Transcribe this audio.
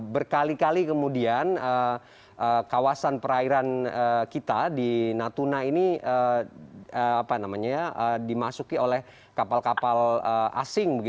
berkali kali kemudian kawasan perairan kita di natuna ini dimasuki oleh kapal kapal asing